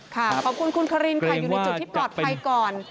ขอบคุณคุณคารินค่ะอยู่ในจุดที่ปลอดภัยก่อน